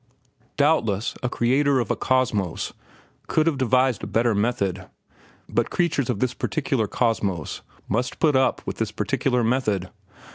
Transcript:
Doubtless, a creator of a Cosmos could have devised a better method; but creatures of this particular Cosmos must put up with this particular method.